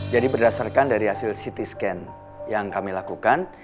jadi berdasarkan dari hasil ct scan yang kami lakukan